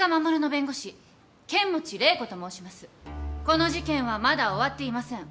この事件はまだ終わっていません。